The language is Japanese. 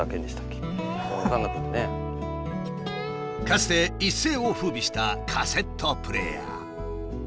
かつて一世をふうびしたカセットプレーヤー。